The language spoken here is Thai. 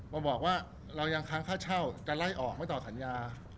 มาบอกว่าเรายังค้างค่าเช่าจะไล่ออกไม่ต่อสัญญา